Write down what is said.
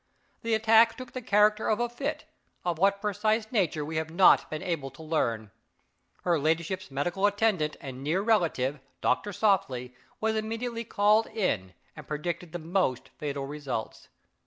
The attack took the character of a fit of what precise nature we have not been able to learn. Her ladyship's medical attendant and near relative, Doctor Softly, was immediately called in, and predicted the most fatal results.